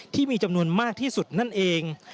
ที่มีจำนวนมากที่สุดนั่นเอง